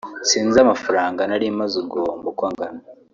sinzi amafaranga nari maze guhomba uko angana